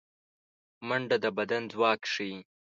منډه د بدن ځواک ښيي